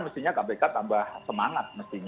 mestinya kpk tambah semangat